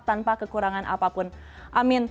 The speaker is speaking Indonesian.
tanpa kekurangan apapun amin